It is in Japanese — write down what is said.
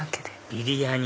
ビリヤニ